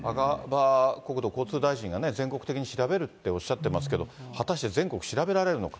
国土交通大臣がね、全国的に調べるっておっしゃってますけど、果たして全国調べられるのか。